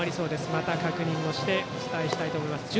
また確認をしてお伝えしたいと思います。